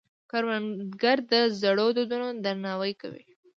کروندګر د زړو دودونو درناوی کوي